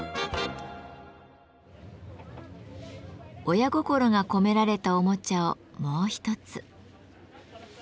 親心が込められたおもちゃをもう一つ。